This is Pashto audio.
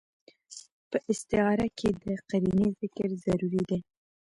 په استعاره کښي د قرينې ذکر ضروري دئ.